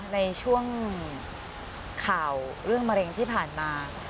ในช่วงข่าวเรื่องมะเร็งที่ผ่านมา